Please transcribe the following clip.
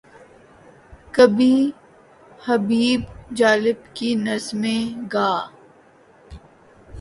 کبھی حبیب جالب کی نظمیں گا۔